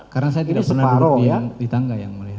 karena saya tidak pernah duduk di tangga ya mulia